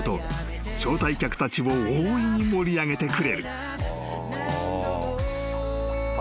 招待客たちを大いに盛り上げてくれる］